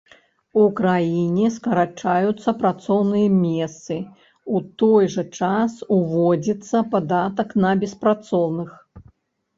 У краіне скарачаюцца працоўныя месцы, у той жа час ўводзіцца падатак на беспрацоўных.